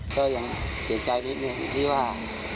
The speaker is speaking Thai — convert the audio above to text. ก็ยังเสียใจนิดหนึ่งที่ว่า